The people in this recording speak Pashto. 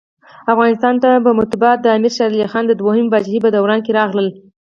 افغانستان ته مطبعه دامیر شېرعلي خان د دوهمي پاچاهۍ په دوران کي راغله.